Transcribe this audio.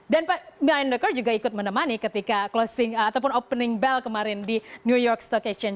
dan miranda kerr juga ikut menemani ketika closing ataupun opening bell kemarin di new york stock exchange